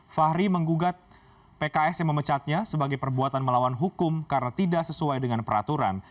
fahri menggugat pks yang memecatnya sebagai perbuatan melawan hukum karena tidak sesuai dengan peraturan